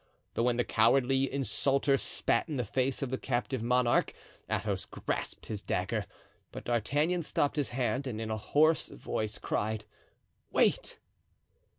But when the cowardly insulter spat in the face of the captive monarch Athos grasped his dagger. But D'Artagnan stopped his hand and in a hoarse voice cried, "Wait!"